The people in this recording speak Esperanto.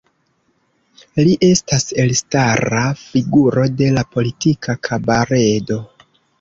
Li estas elstara figuro de la politika kabaredo.